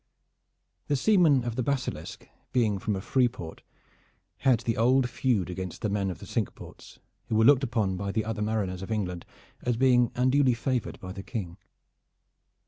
The seamen of the Basilisk, being from a free port, had the old feud against the men of the Cinque Ports, who were looked upon by the other mariners of England as being unduly favored by the King.